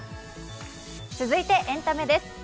続いてエンタメです。